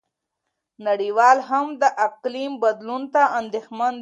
نړیوال هم د اقلیم بدلون ته اندېښمن دي.